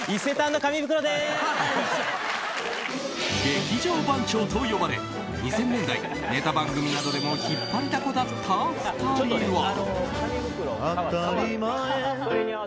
劇場番長と呼ばれ２０００年代、ネタ番組などでも引っ張りだこだった２人は。